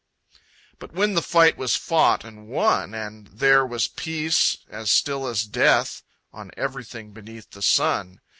But when the fight was fought and won, And there was Peace as still as Death On everything beneath the sun.